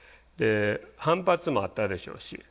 反発もあったでしょうし。